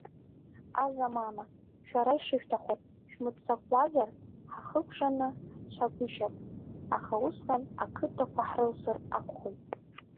Азамана, шәара ишышәҭаху, шәмыццакуазар ҳахыкәшаны ҳцагәышьап, аха усҟан ақыҭақәа ҳрылсыр акәхоит!